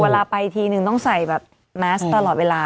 เวลาไปทีนึงต้องใส่แบบแมสตลอดเวลา